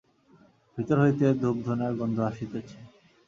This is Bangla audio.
ভিতর হইতে ধূপধুনার গন্ধ আসিতেছে।